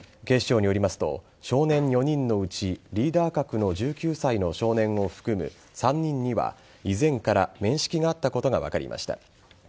警視庁によりますと少年４人のうちリーダー格の１９歳の少年を含む３人には以前から面識があったことが分かりました。